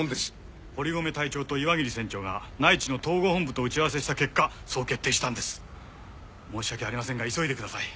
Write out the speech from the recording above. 堀込隊長と岩切船長が内地の統合本部と打ち合わせした結果そう決定したんです申し訳ありませんが急いでください